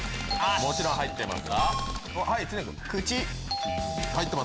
もちろん入ってます。